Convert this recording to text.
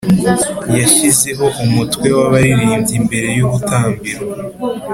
Yashyizeho umutwe w’abaririmbyi imbere y’urutambiro,